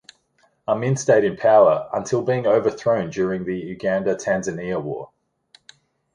Amin stayed in power until being overthrown during the Uganda–Tanzania War.